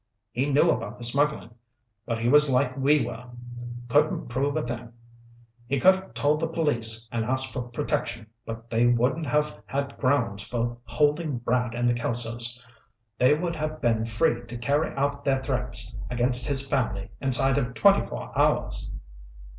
He knew about the smuggling, but he was like we were. Couldn't prove a thing. He could have told the police and asked for protection, but they wouldn't have had grounds for holding Brad and the Kelsos. They would have been free to carry out their threats against his family inside of twenty four hours."